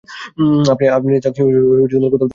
আপনি তাকে কোথাও দেখেছেন?